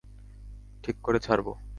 ঠিক করে ছাড়বো।